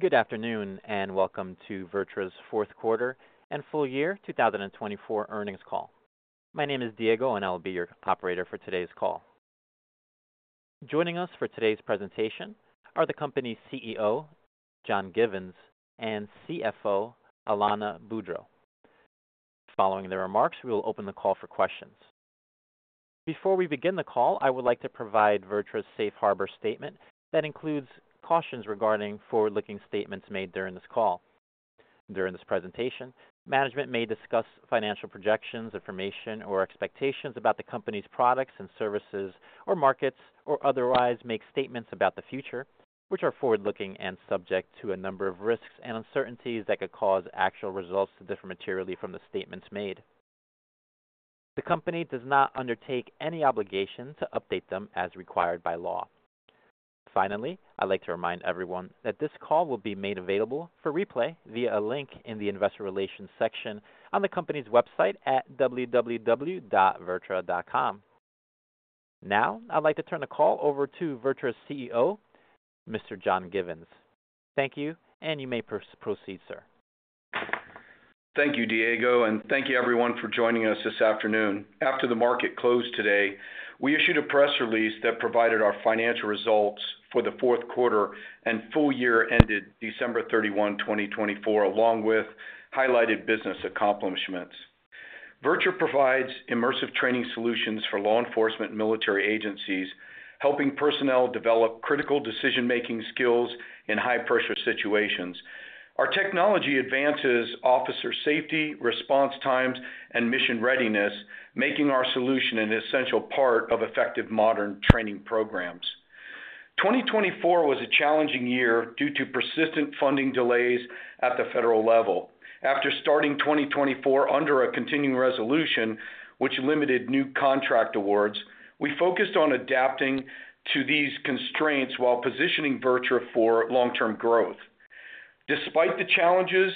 Good afternoon and welcome to VirTra's fourth quarter and full year 2024 earnings call. My name is Diego, and I'll be your operator for today's call. Joining us for today's presentation are the company's CEO, John Givens, and CFO, Alanna Boudreau. Following their remarks, we will open the call for questions. Before we begin the call, I would like to provide VirTra's safe harbor statement that includes cautions regarding forward-looking statements made during this call. During this presentation, management may discuss financial projections, information, or expectations about the company's products and services or markets, or otherwise make statements about the future, which are forward-looking and subject to a number of risks and uncertainties that could cause actual results to differ materially from the statements made. The company does not undertake any obligation to update them as required by law. Finally, I'd like to remind everyone that this call will be made available for replay via a link in the investor relations section on the company's website at www.virtra.com. Now, I'd like to turn the call over to VirTra's CEO, Mr. John Givens. Thank you, and you may proceed, sir. Thank you, Diego, and thank you, everyone, for joining us this afternoon. After the market closed today, we issued a press release that provided our financial results for the fourth quarter and full year ended December 31, 2024, along with highlighted business accomplishments. VirTra provides immersive training solutions for law enforcement and military agencies, helping personnel develop critical decision-making skills in high-pressure situations. Our technology advances officer safety, response times, and mission readiness, making our solution an essential part of effective modern training programs. 2024 was a challenging year due to persistent funding delays at the federal level. After starting 2024 under a continuing resolution, which limited new contract awards, we focused on adapting to these constraints while positioning VirTra for long-term growth. Despite the challenges,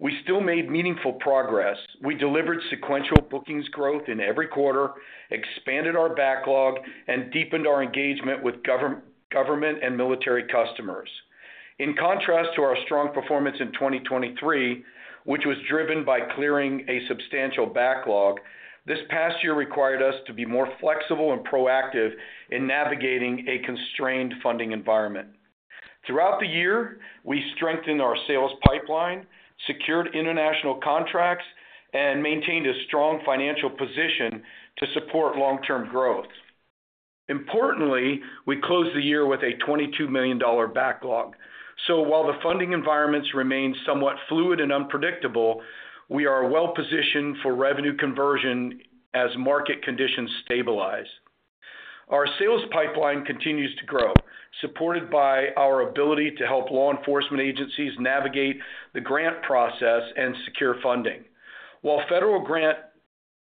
we still made meaningful progress. We delivered sequential bookings growth in every quarter, expanded our backlog, and deepened our engagement with government and military customers. In contrast to our strong performance in 2023, which was driven by clearing a substantial backlog, this past year required us to be more flexible and proactive in navigating a constrained funding environment. Throughout the year, we strengthened our sales pipeline, secured international contracts, and maintained a strong financial position to support long-term growth. Importantly, we closed the year with a $22 million backlog. While the funding environments remain somewhat fluid and unpredictable, we are well-positioned for revenue conversion as market conditions stabilize. Our sales pipeline continues to grow, supported by our ability to help law enforcement agencies navigate the grant process and secure funding. While federal grant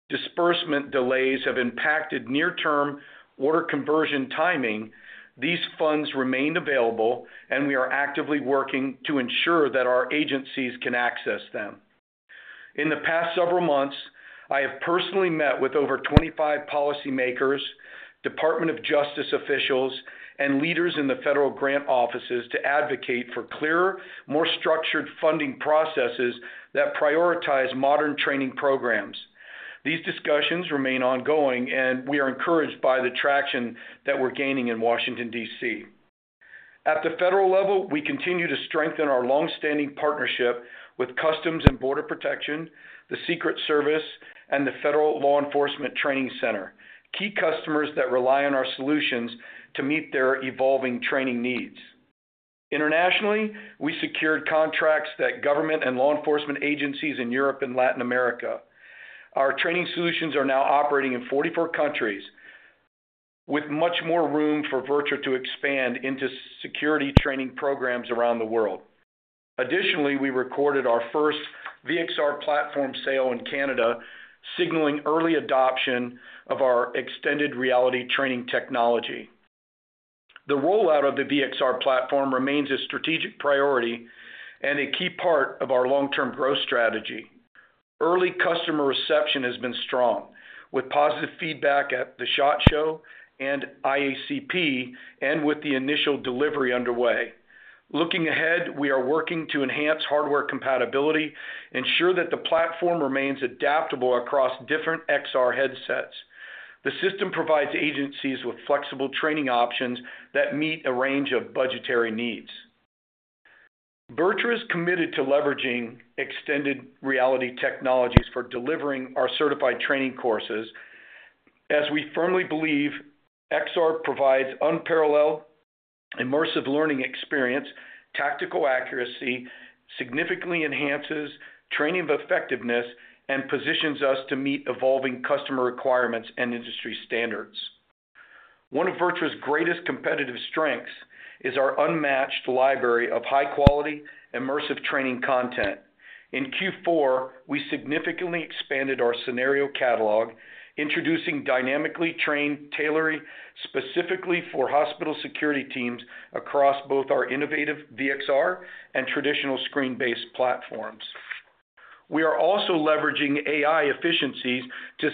disbursement delays have impacted near-term order conversion timing, these funds remain available, and we are actively working to ensure that our agencies can access them. In the past several months, I have personally met with over 25 policymakers, Department of Justice officials, and leaders in the federal grant offices to advocate for clearer, more structured funding processes that prioritize modern training programs. These discussions remain ongoing, and we are encouraged by the traction that we're gaining in Washington, D.C. At the federal level, we continue to strengthen our long-standing partnership with Customs and Border Protection, the Secret Service, and the Federal Law Enforcement Training Center, key customers that rely on our solutions to meet their evolving training needs. Internationally, we secured contracts with government and law enforcement agencies in Europe and Latin America. Our training solutions are now operating in 44 countries, with much more room for VirTra to expand into security training programs around the world. Additionally, we recorded our first V-XR platform sale in Canada, signaling early adoption of our extended reality training technology. The rollout of the V-XR platform remains a strategic priority and a key part of our long-term growth strategy. Early customer reception has been strong, with positive feedback at the SHOT Show and IACP, and with the initial delivery underway. Looking ahead, we are working to enhance hardware compatibility and ensure that the platform remains adaptable across different XR headsets. The system provides agencies with flexible training options that meet a range of budgetary needs. VirTra is committed to leveraging extended reality technologies for delivering our certified training courses, as we firmly believe XR provides unparalleled immersive learning experience, tactical accuracy, significantly enhances training effectiveness, and positions us to meet evolving customer requirements and industry standards. One of VirTra's greatest competitive strengths is our unmatched library of high-quality, immersive training content. In Q4, we significantly expanded our scenario catalog, introducing dynamically trained tailoring specifically for hospital security teams across both our innovative V-XR and traditional screen-based platforms. We are also leveraging AI efficiencies to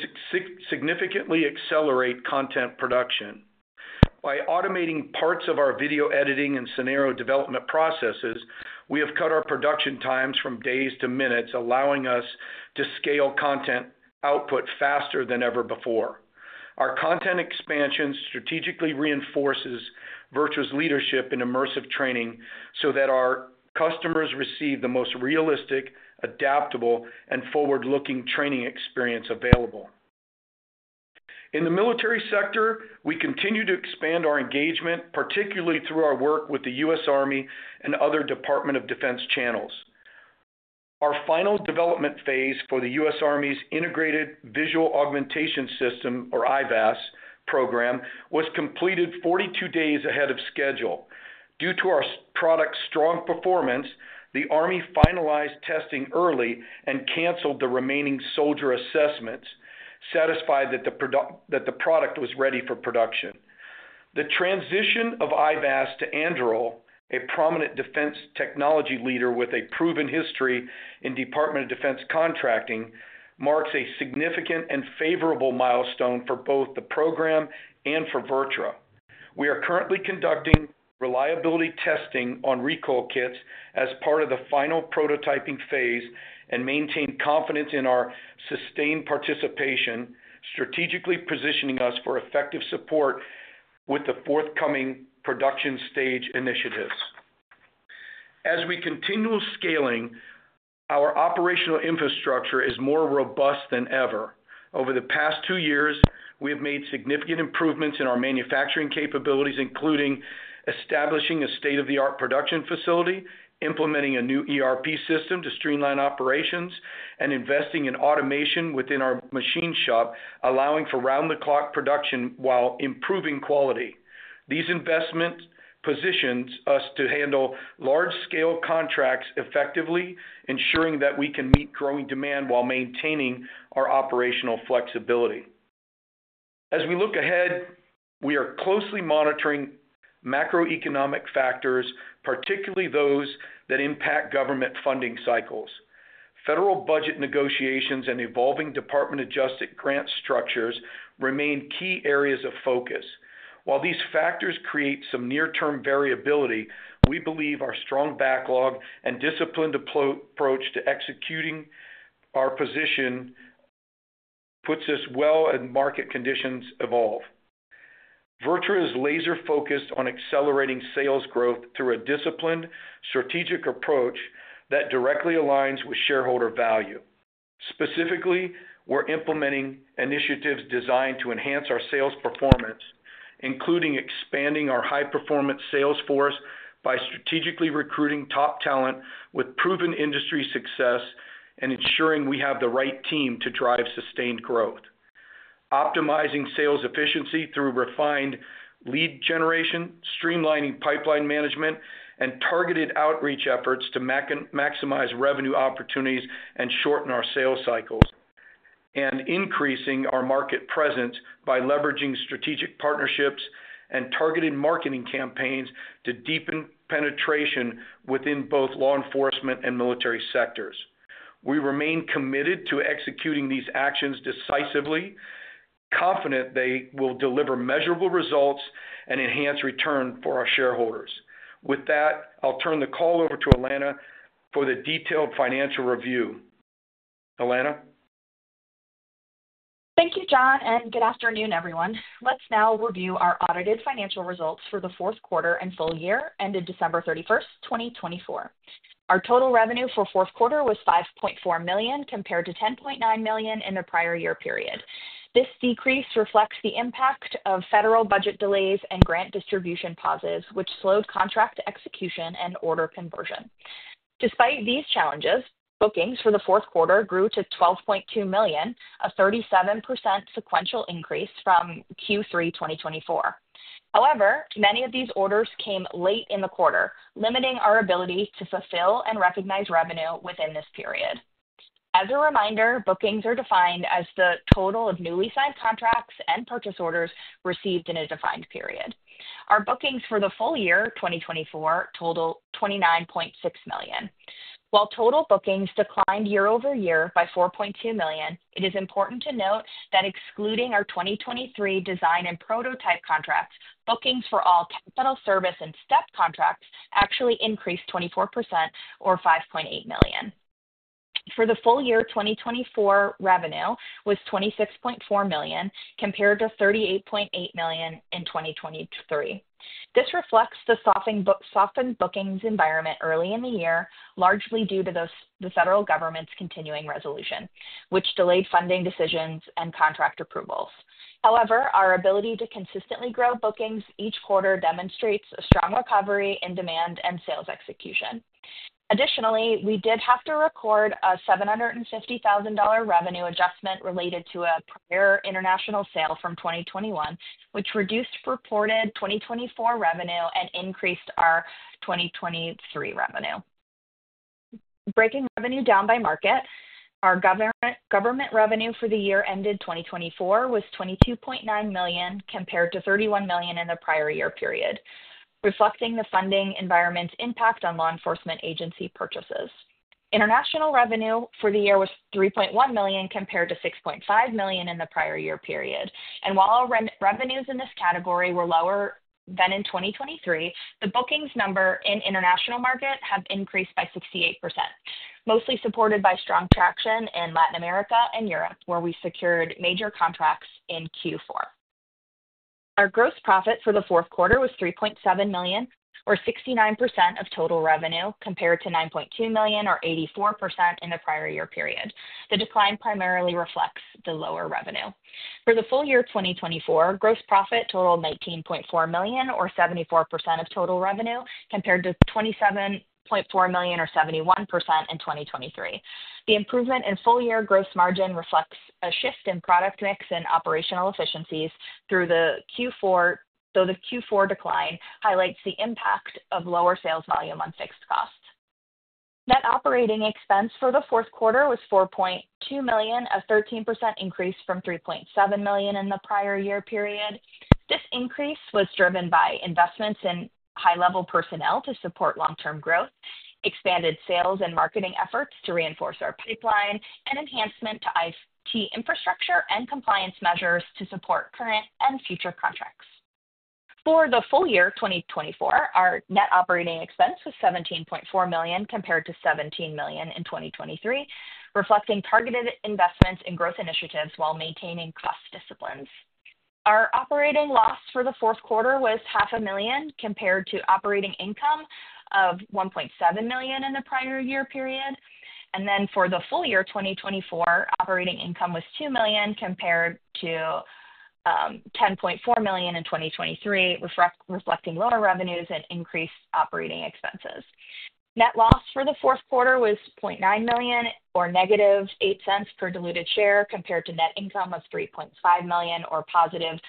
significantly accelerate content production. By automating parts of our video editing and scenario development processes, we have cut our production times from days to minutes, allowing us to scale content output faster than ever before. Our content expansion strategically reinforces VirTra's leadership in immersive training so that our customers receive the most realistic, adaptable, and forward-looking training experience available. In the military sector, we continue to expand our engagement, particularly through our work with the U.S. Army and other Department of Defense channels. Our final development phase for the U.S. Army's Integrated Visual Augmentation System, or IVAS, program was completed 42 days ahead of schedule. Due to our product's strong performance, the Army finalized testing early and canceled the remaining soldier assessments, satisfied that the product was ready for production. The transition of IVAS to Anduril, a prominent defense technology leader with a proven history in Department of Defense contracting, marks a significant and favorable milestone for both the program and for VirTra. We are currently conducting reliability testing on recoil kits as part of the final prototyping phase and maintain confidence in our sustained participation, strategically positioning us for effective support with the forthcoming production stage initiatives. As we continue scaling, our operational infrastructure is more robust than ever. Over the past two years, we have made significant improvements in our manufacturing capabilities, including establishing a state-of-the-art production facility, implementing a new ERP system to streamline operations, and investing in automation within our machine shop, allowing for round-the-clock production while improving quality. These investments position us to handle large-scale contracts effectively, ensuring that we can meet growing demand while maintaining our operational flexibility. As we look ahead, we are closely monitoring macroeconomic factors, particularly those that impact government funding cycles. Federal budget negotiations and evolving Department of Justice grant structures remain key areas of focus. While these factors create some near-term variability, we believe our strong backlog and disciplined approach to executing our position puts us well as market conditions evolve. VirTra is laser-focused on accelerating sales growth through a disciplined, strategic approach that directly aligns with shareholder value. Specifically, we're implementing initiatives designed to enhance our sales performance, including expanding our high-performance sales force by strategically recruiting top talent with proven industry success and ensuring we have the right team to drive sustained growth. Optimizing sales efficiency through refined lead generation, streamlining pipeline management, and targeted outreach efforts to maximize revenue opportunities and shorten our sales cycles, and increasing our market presence by leveraging strategic partnerships and targeted marketing campaigns to deepen penetration within both law enforcement and military sectors. We remain committed to executing these actions decisively, confident they will deliver measurable results and enhance return for our shareholders. With that, I'll turn the call over to Alanna for the detailed financial review. Alanna. Thank you, John, and good afternoon, everyone. Let's now review our audited financial results for the fourth quarter and full year ended December 31st, 2024. Our total revenue for fourth quarter was $5.4 million compared to $10.9 million in the prior year period. This decrease reflects the impact of federal budget delays and grant distribution pauses, which slowed contract execution and order conversion. Despite these challenges, bookings for the fourth quarter grew to $12.2 million, a 37% sequential increase from Q3 2024. However, many of these orders came late in the quarter, limiting our ability to fulfill and recognize revenue within this period. As a reminder, bookings are defined as the total of newly signed contracts and purchase orders received in a defined period. Our bookings for the full year, 2024, total $29.6 million. While total bookings declined year over year by $4.2 million, it is important to note that excluding our 2023 design and prototype contracts, bookings for all capital service and STEP contracts actually increased 24%, or $5.8 million. For the full year, 2024 revenue was $26.4 million compared to $38.8 million in 2023. This reflects the softened bookings environment early in the year, largely due to the federal government's continuing resolution, which delayed funding decisions and contract approvals. However, our ability to consistently grow bookings each quarter demonstrates a strong recovery in demand and sales execution. Additionally, we did have to record a $750,000 revenue adjustment related to a prior international sale from 2021, which reduced reported 2024 revenue and increased our 2023 revenue. Breaking revenue down by market, our government revenue for the year ended 2024 was $22.9 million compared to $31 million in the prior year period, reflecting the funding environment's impact on law enforcement agency purchases. International revenue for the year was $3.1 million compared to $6.5 million in the prior year period. While revenues in this category were lower than in 2023, the bookings number in international market have increased by 68%, mostly supported by strong traction in Latin America and Europe, where we secured major contracts in Q4. Our gross profit for the fourth quarter was $3.7 million, or 69% of total revenue, compared to $9.2 million, or 84% in the prior year period. The decline primarily reflects the lower revenue. For the full year 2024, gross profit totaled $19.4 million, or 74% of total revenue, compared to $27.4 million, or 71% in 2023. The improvement in full year gross margin reflects a shift in product mix and operational efficiencies through the Q4, though the Q4 decline highlights the impact of lower sales volume on fixed costs. Net operating expense for the fourth quarter was $4.2 million, a 13% increase from $3.7 million in the prior year period. This increase was driven by investments in high-level personnel to support long-term growth, expanded sales and marketing efforts to reinforce our pipeline, and enhancement to IT infrastructure and compliance measures to support current and future contracts. For the full year 2024, our net operating expense was $17.4 million compared to $17 million in 2023, reflecting targeted investments in growth initiatives while maintaining cost disciplines. Our operating loss for the fourth quarter was $500,000 compared to operating income of $1.7 million in the prior year period. For the full year 2024, operating income was $2 million compared to $10.4 million in 2023, reflecting lower revenues and increased operating expenses. Net loss for the fourth quarter was $0.9 million, or negative $0.08 per diluted share, compared to net income of $3.5 million, or positive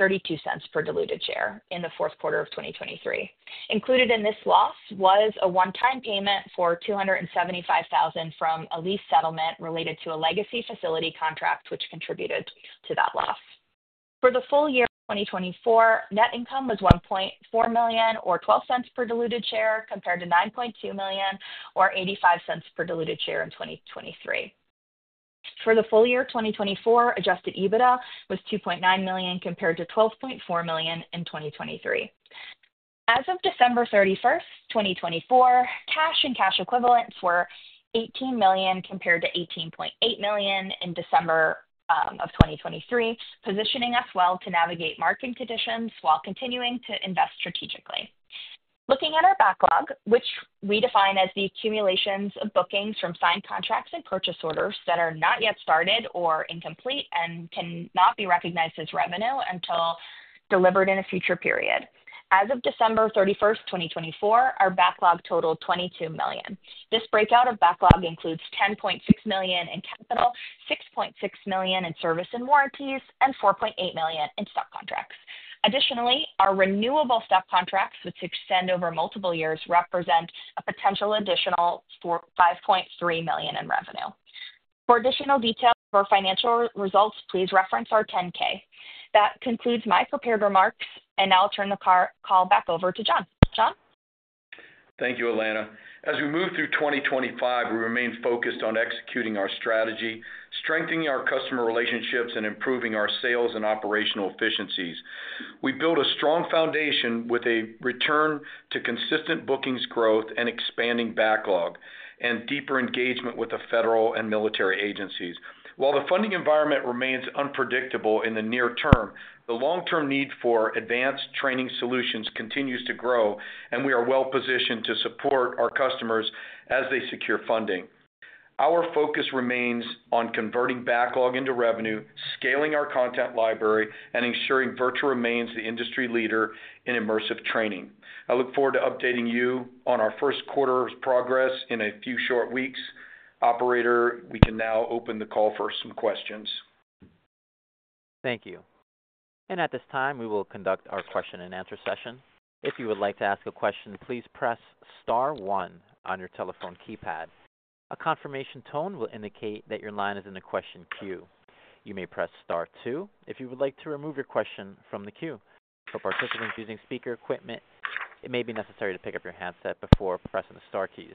$0.32 per diluted share in the fourth quarter of 2023. Included in this loss was a one-time payment for $275,000 from a lease settlement related to a legacy facility contract, which contributed to that loss. For the full year 2024, net income was $1.4 million, or $0.12 per diluted share, compared to $9.2 million, or $0.85 per diluted share in 2023. For the full year 2024, Adjusted EBITDA was $2.9 million compared to $12.4 million in 2023. As of December 31st, 2024, cash and cash equivalents were $18 million compared to $18.8 million in December of 2023, positioning us well to navigate market conditions while continuing to invest strategically. Looking at our backlog, which we define as the accumulations of bookings from signed contracts and purchase orders that are not yet started or incomplete and cannot be recognized as revenue until delivered in a future period. As of December 31st, 2024, our backlog totaled $22 million. This breakout of backlog includes $10.6 million in capital, $6.6 million in service and warranties, and $4.8 million in STEP contracts. Additionally, our renewable STEP contracts, which extend over multiple years, represent a potential additional $5.3 million in revenue. For additional details for financial results, please reference our 10-K. That concludes my prepared remarks, and now I'll turn the call back over to John. John? Thank you, Alanna. As we move through 2025, we remain focused on executing our strategy, strengthening our customer relationships, and improving our sales and operational efficiencies. We build a strong foundation with a return to consistent bookings growth and expanding backlog and deeper engagement with the federal and military agencies. While the funding environment remains unpredictable in the near term, the long-term need for advanced training solutions continues to grow, and we are well positioned to support our customers as they secure funding. Our focus remains on converting backlog into revenue, scaling our content library, and ensuring VirTra remains the industry leader in immersive training. I look forward to updating you on our first quarter's progress in a few short weeks. Operator, we can now open the call for some questions. Thank you. At this time, we will conduct our question-and-answer session. If you would like to ask a question, please press star one on your telephone keypad. A confirmation tone will indicate that your line is in the question queue. You may press star two if you would like to remove your question from the queue. For participants using speaker equipment, it may be necessary to pick up your handset before pressing the star keys.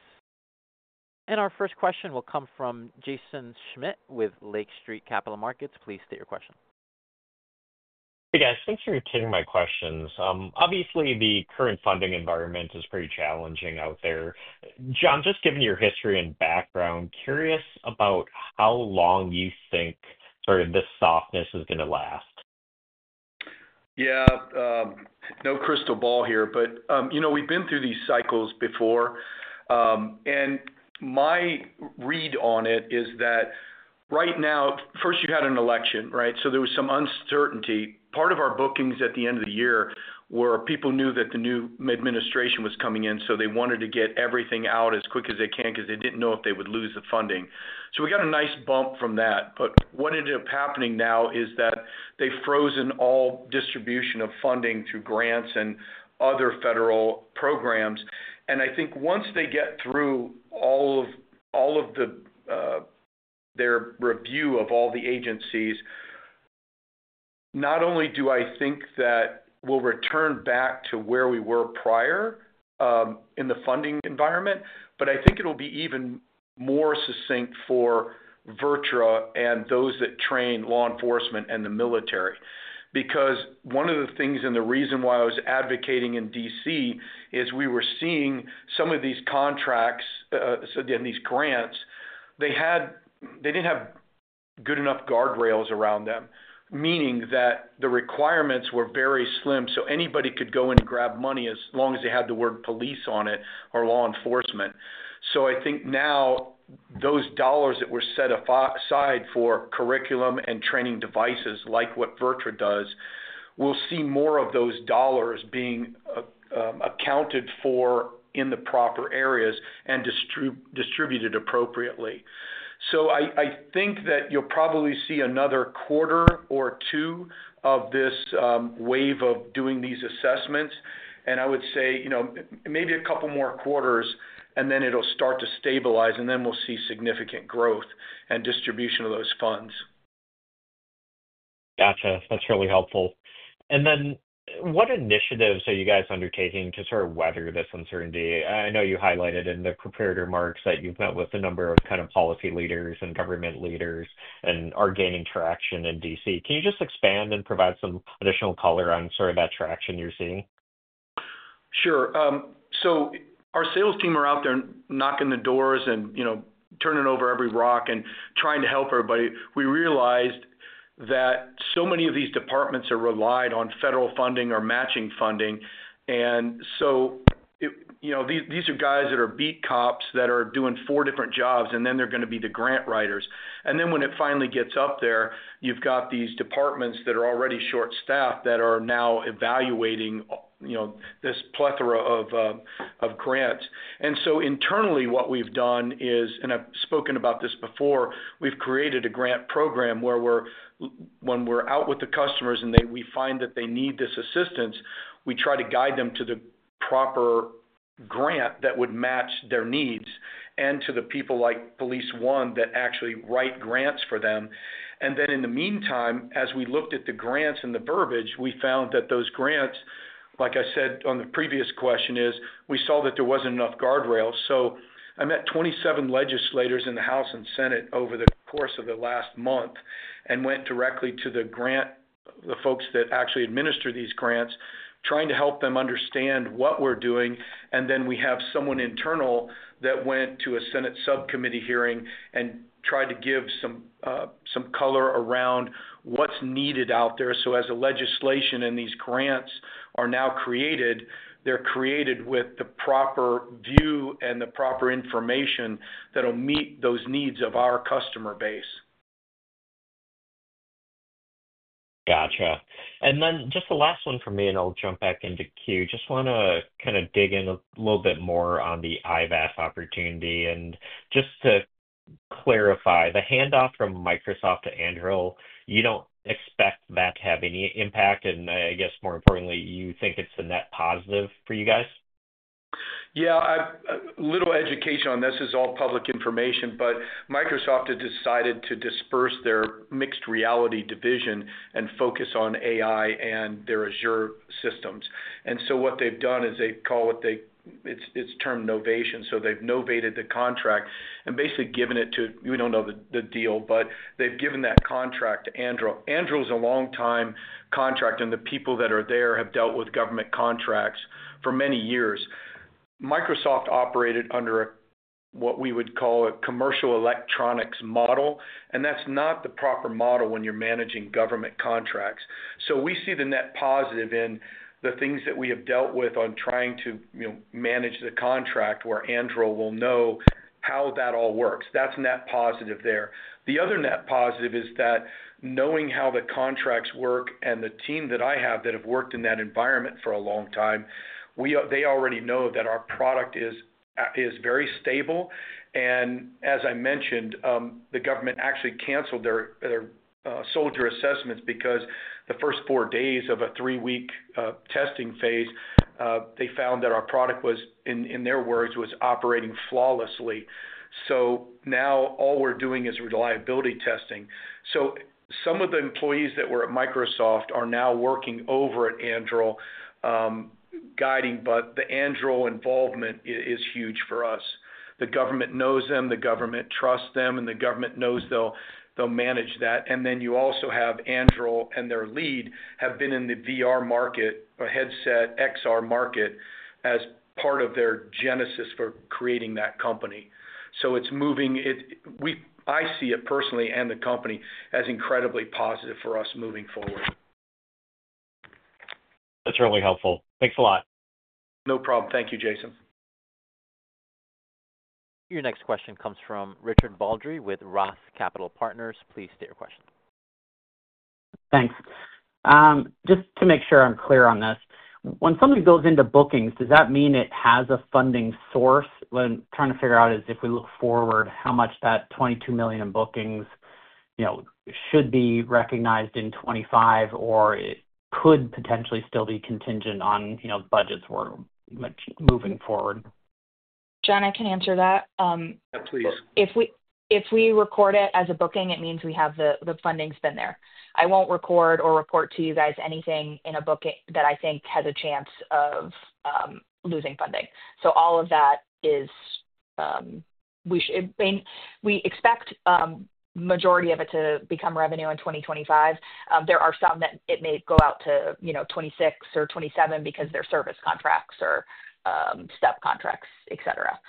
Our first question will come from Jaeson Schmidt with Lake Street Capital Markets. Please state your question. Hey, guys. Thanks for taking my questions. Obviously, the current funding environment is pretty challenging out there. John, just given your history and background, curious about how long you think this softness is going to last. Yeah. No crystal ball here, but we've been through these cycles before. My read on it is that right now, first, you had an election, right? There was some uncertainty. Part of our bookings at the end of the year were people knew that the new administration was coming in, so they wanted to get everything out as quick as they can because they didn't know if they would lose the funding. We got a nice bump from that. What ended up happening now is that they've frozen all distribution of funding through grants and other federal programs. I think once they get through all of their review of all the agencies, not only do I think that we'll return back to where we were prior in the funding environment, but I think it'll be even more succinct for VirTra and those that train law enforcement and the military. Because one of the things and the reason why I was advocating in Washington, D.C. is we were seeing some of these contracts and these grants, they didn't have good enough guardrails around them, meaning that the requirements were very slim so anybody could go in and grab money as long as they had the word police on it or law enforcement. I think now those dollars that were set aside for curriculum and training devices, like what VirTra does, we'll see more of those dollars being accounted for in the proper areas and distributed appropriately. I think that you'll probably see another quarter or two of this wave of doing these assessments. I would say maybe a couple more quarters, and then it'll start to stabilize, and then we'll see significant growth and distribution of those funds. Gotcha. That's really helpful. What initiatives are you guys undertaking to sort of weather this uncertainty? I know you highlighted in the prepared remarks that you've met with a number of kind of policy leaders and government leaders and are gaining traction in D.C. Can you just expand and provide some additional color on sort of that traction you're seeing? Sure. Our sales team are out there knocking the doors and turning over every rock and trying to help everybody. We realized that so many of these departments are relied on federal funding or matching funding. These are guys that are beat cops that are doing four different jobs, and then they're going to be the grant writers. When it finally gets up there, you've got these departments that are already short-staffed that are now evaluating this plethora of grants. Internally, what we've done is, and I've spoken about this before, we've created a grant program where when we're out with the customers and we find that they need this assistance, we try to guide them to the proper grant that would match their needs and to the people like Police1 that actually write grants for them. In the meantime, as we looked at the grants and the verbiage, we found that those grants, like I said on the previous question, we saw that there was not enough guardrails. I met 27 legislators in the House and Senate over the course of the last month and went directly to the folks that actually administer these grants, trying to help them understand what we are doing. We have someone internal that went to a Senate subcommittee hearing and tried to give some color around what is needed out there. As legislation and these grants are now created, they are created with the proper view and the proper information that will meet those needs of our customer base. Gotcha. Just the last one for me, I'll jump back into queue. Just want to kind of dig in a little bit more on the IVAS opportunity. Just to clarify, the handoff from Microsoft to Anduril, you don't expect that to have any impact. I guess, more importantly, you think it's a net positive for you guys? Yeah. A little education on this is all public information, but Microsoft has decided to disperse their mixed reality division and focus on AI and their Azure systems. What they've done is they call it, it's termed novation. They've novated the contract and basically given it to, we don't know the deal, but they've given that contract to Anduril. Anduril is a long-time contract, and the people that are there have dealt with government contracts for many years. Microsoft operated under what we would call a commercial electronics model, and that's not the proper model when you're managing government contracts. We see the net positive in the things that we have dealt with on trying to manage the contract where Anduril will know how that all works. That's net positive there. The other net positive is that knowing how the contracts work and the team that I have that have worked in that environment for a long time, they already know that our product is very stable. As I mentioned, the government actually canceled their soldier assessments because the first four days of a three-week testing phase, they found that our product, in their words, was operating flawlessly. Now all we're doing is reliability testing. Some of the employees that were at Microsoft are now working over at Anduril guiding, but the Anduril involvement is huge for us. The government knows them, the government trusts them, and the government knows they'll manage that. You also have Anduril and their lead have been in the VR market, a headset, XR market as part of their genesis for creating that company. I see it personally and the company as incredibly positive for us moving forward. That's really helpful. Thanks a lot. No problem. Thank you, Jason. Your next question comes from Richard Baldry with Roth Capital Partners. Please state your question. Thanks. Just to make sure I'm clear on this, when something goes into bookings, does that mean it has a funding source? What I'm trying to figure out is if we look forward, how much that $22 million in bookings should be recognized in 2025, or it could potentially still be contingent on budgets moving forward? John, I can answer that. Yeah, please. If we record it as a booking, it means we have the funding spent there. I won't record or report to you guys anything in a book that I think has a chance of losing funding. All of that is we expect the majority of it to become revenue in 2025. There are some that it may go out to 2026 or 2027 because they're service contracts or STEP contracts, etc.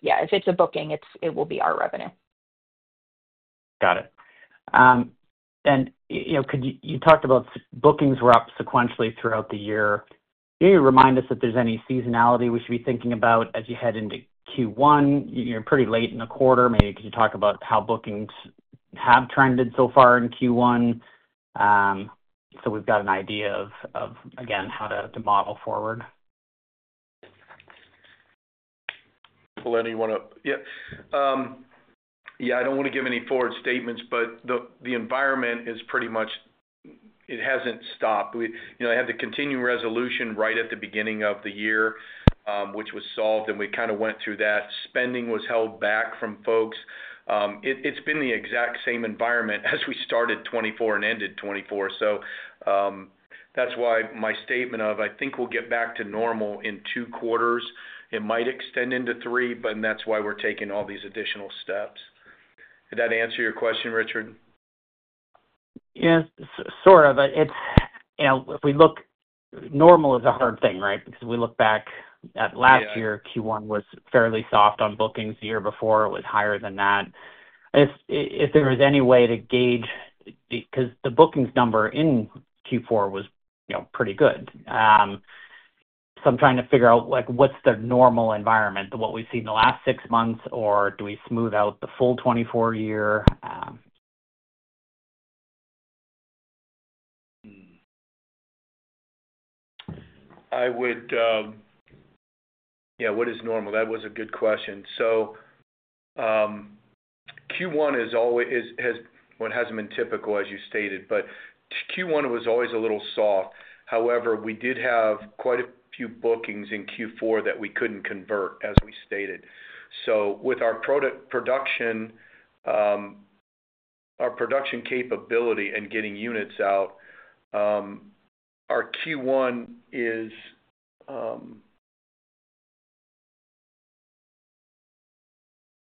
Yeah, if it's a booking, it will be our revenue. Got it. You talked about bookings were up sequentially throughout the year. Can you remind us if there's any seasonality we should be thinking about as you head into Q1? You're pretty late in the quarter. Maybe could you talk about how bookings have trended so far in Q1? We've got an idea of, again, how to model forward. Alanna, you want to? Yeah. Yeah, I don't want to give any forward statements, but the environment is pretty much it hasn't stopped. I had the continuing resolution right at the beginning of the year, which was solved, and we kind of went through that. Spending was held back from folks. It's been the exact same environment as we started 2024 and ended 2024. That is why my statement of, "I think we'll get back to normal in two quarters." It might extend into three, but that is why we're taking all these additional steps. Did that answer your question, Richard? Yes, sort of. If we look, normal is a hard thing, right? Because we look back at last year, Q1 was fairly soft on bookings. The year before, it was higher than that. If there was any way to gauge because the bookings number in Q4 was pretty good. I'm trying to figure out what's the normal environment, what we've seen the last six months, or do we smooth out the full 2024 year? I would, yeah, what is normal? That was a good question. Q1 has been typical, as you stated, but Q1 was always a little soft. However, we did have quite a few bookings in Q4 that we could not convert, as we stated. With our production capability and getting units out, our Q1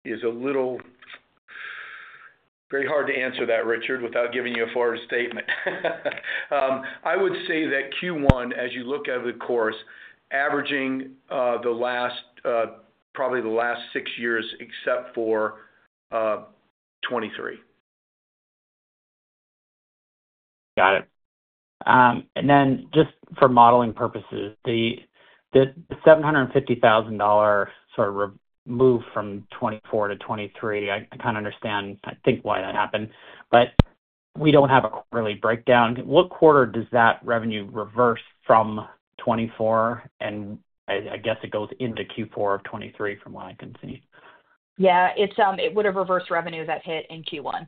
is a little very hard to answer that, Richard, without giving you a forward-looking statement. I would say that Q1, as you look at the course, averaging probably the last six years except for 2023. Got it. Just for modeling purposes, the $750,000 sort of move from 2024 to 2023, I kind of understand, I think why that happened. We do not have a quarterly breakdown. What quarter does that revenue reverse from 2024? I guess it goes into Q4 of 2023 from what I can see. Yeah. It would have reversed revenue that hit in Q1.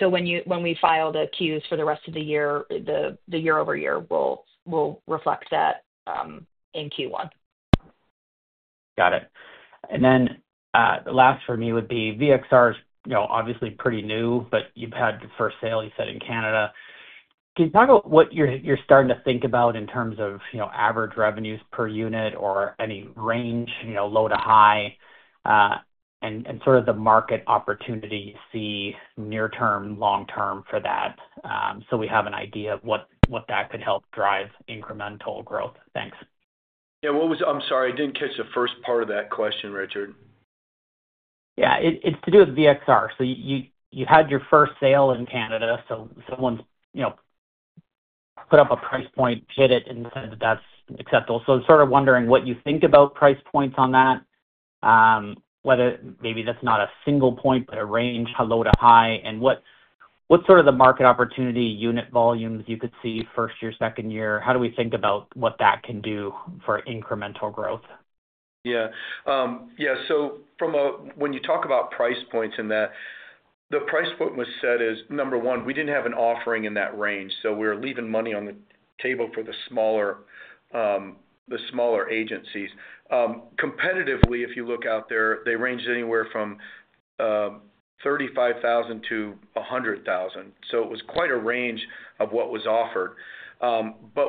When we file the queues for the rest of the year, the year-over-year will reflect that in Q1. Got it. The last for me would be V-XR is obviously pretty new, but you've had the first sale, you said, in Canada. Can you talk about what you're starting to think about in terms of average revenues per unit or any range, low to high, and sort of the market opportunity you see near term, long term for that? We have an idea of what that could help drive incremental growth. Thanks. Yeah. I'm sorry. I didn't catch the first part of that question, Richard. Yeah. It's to do with V-XR. You had your first sale in Canada, so someone put up a price point, hit it, and said that that's acceptable. I am sort of wondering what you think about price points on that, whether maybe that's not a single point, but a range, low to high, and what sort of the market opportunity unit volumes you could see first year, second year. How do we think about what that can do for incremental growth? Yeah. Yeah. When you talk about price points in that, the price point was set as number one, we did not have an offering in that range. We were leaving money on the table for the smaller agencies. Competitively, if you look out there, they ranged anywhere from $35,000-$100,000. It was quite a range of what was offered.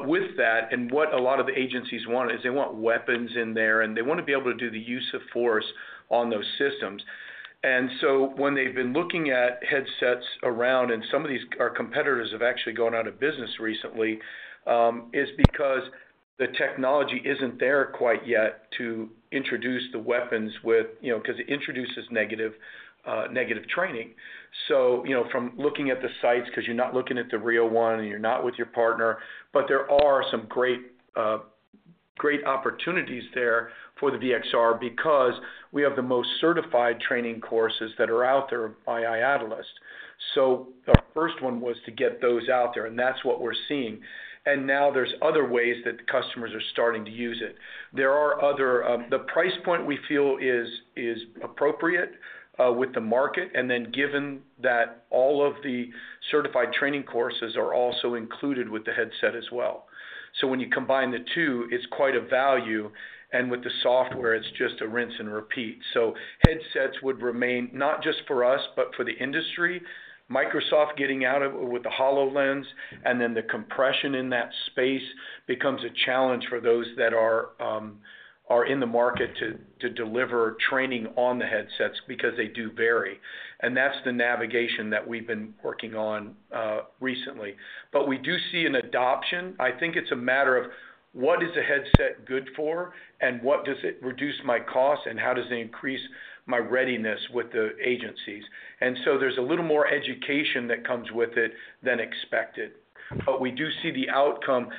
With that, and what a lot of the agencies want is they want weapons in there, and they want to be able to do the use of force on those systems. When they have been looking at headsets around, and some of our competitors have actually gone out of business recently, it is because the technology is not there quite yet to introduce the weapons with because it introduces negative training. From looking at the sites, because you're not looking at the real one and you're not with your partner, there are some great opportunities there for the V-XR because we have the most certified training courses that are out there by IADLEST. The first one was to get those out there, and that's what we're seeing. Now there's other ways that customers are starting to use it. The price point we feel is appropriate with the market, and then given that all of the certified training courses are also included with the headset as well. When you combine the two, it's quite a value. With the software, it's just a rinse and repeat. Headsets would remain, not just for us, but for the industry, Microsoft getting out of it with the HoloLens, and then the compression in that space becomes a challenge for those that are in the market to deliver training on the headsets because they do vary. That is the navigation that we've been working on recently. We do see an adoption. I think it's a matter of what is a headset good for, and what does it reduce my cost, and how does it increase my readiness with the agencies? There is a little more education that comes with it than expected. We do see the outcome.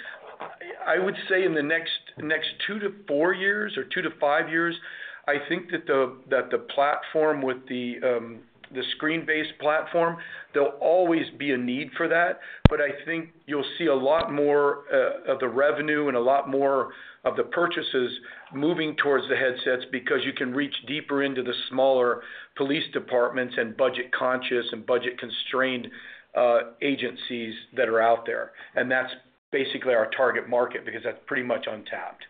I would say in the next two to four years or two to five years, I think that the platform with the screen-based platform, there will always be a need for that. I think you'll see a lot more of the revenue and a lot more of the purchases moving towards the headsets because you can reach deeper into the smaller police departments and budget-conscious and budget-constrained agencies that are out there. That's basically our target market because that's pretty much untapped.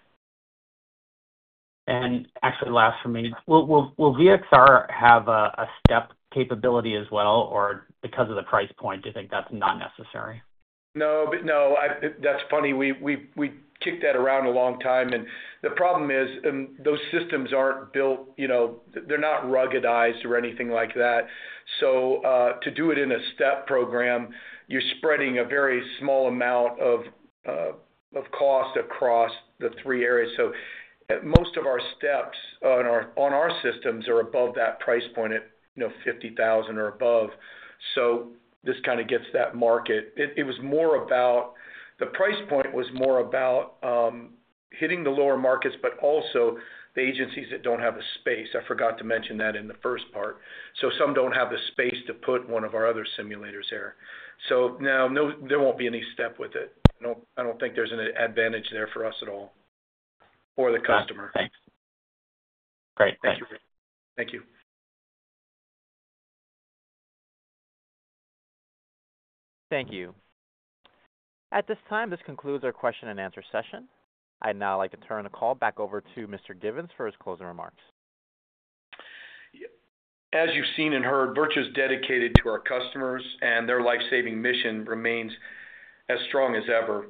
Actually, last for me, will V-XR have a STEP capability as well, or because of the price point, do you think that's not necessary? No, no. That's funny. We kicked that around a long time. The problem is those systems aren't built; they're not ruggedized or anything like that. To do it in a STEP program, you're spreading a very small amount of cost across the three areas. Most of our steps on our systems are above that price point at $50,000 or above. This kind of gets that market. It was more about the price point, was more about hitting the lower markets, but also the agencies that don't have the space. I forgot to mention that in the first part. Some don't have the space to put one of our other simulators here. Now there won't be any STEP with it. I don't think there's an advantage there for us at all or the customer. Thanks. Great. Thank you. Thank you. Thank you. At this time, this concludes our question and answer session. I'd now like to turn the call back over to Mr. Givens for his closing remarks. As you've seen and heard, VirTra is dedicated to our customers, and their life-saving mission remains as strong as ever.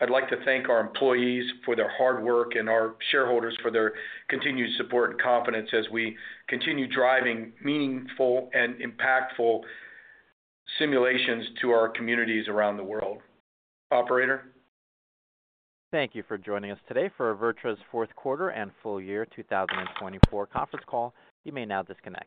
I'd like to thank our employees for their hard work and our shareholders for their continued support and confidence as we continue driving meaningful and impactful simulations to our communities around the world. Operator. Thank you for joining us today for VirTra's fourth quarter and full year 2024 conference call. You may now disconnect.